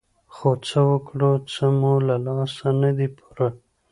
خو څه وکړو څه مو له لاسه نه دي پوره.